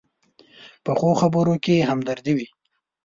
پخو خبرو کې همدردي وي